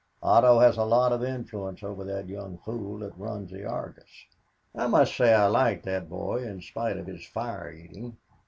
Otto has a lot of influence over that young fool that runs the Argus. I must say I like that boy in spite of his fire eating.